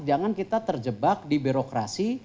jangan kita terjebak di birokrasi